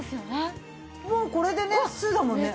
もうこれでねスッだもんね。